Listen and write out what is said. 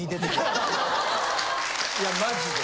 いやマジで。